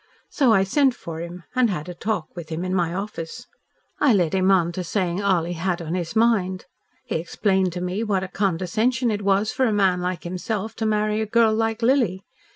So I sent for him and had a talk with him in my office. I led him on to saying all he had on his mind. He explained to me what a condescension it was for a man like himself to marry a girl like Lily.